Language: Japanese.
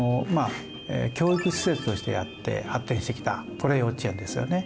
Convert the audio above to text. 教育施設として発展してきたこれ幼稚園ですよね。